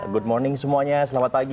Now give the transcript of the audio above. good morning semuanya selamat pagi